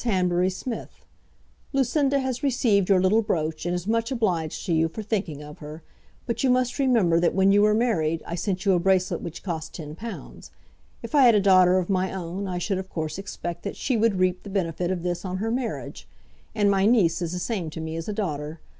HANBURY SMITH, Lucinda has received your little brooch, and is much obliged to you for thinking of her; but you must remember that when you were married, I sent you a bracelet which cost £10. If I had a daughter of my own, I should, of course, expect that she would reap the benefit of this on her marriage; and my niece is the same to me as a daughter.